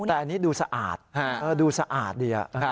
แต่อันนี้ดูสะอาดดูสะอาดดี